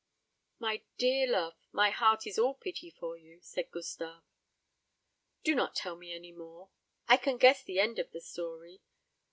"My dear love, my heart is all pity for you," said Gustave. "Do not tell me any more. I can guess the end of the story.